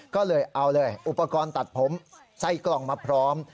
ก็เลยเอาเลยอุปกรณ์ตัดผมใส่กล่องมาพร้อม